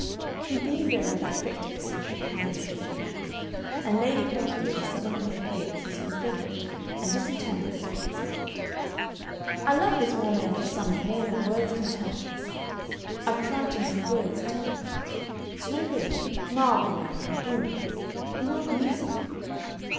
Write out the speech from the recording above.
He beamed over the effect of this and shook hands with effusion, and Lady Palsworthy suddenly appeared as his confederate and disentangled the vicar's aunt. "I love this warm end of summer more than words can tell," he said. "I've tried to make words tell it. It's no good. Mild, you know, and boon. You want music."